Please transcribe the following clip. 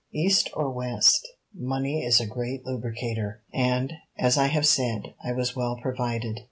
East or West, money is a great lubricator, and, as I have said, I was well provided.